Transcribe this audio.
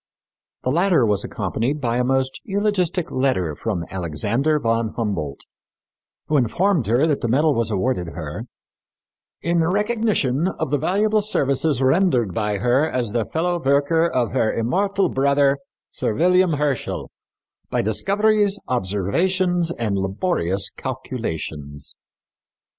The latter was accompanied by a most eulogistic letter from Alexander von Humboldt, who informed her that the medal was awarded her "in recognition of the valuable services rendered by her as the fellow worker of her immortal brother, Sir William Herschel, by discoveries, observations and laborious calculations."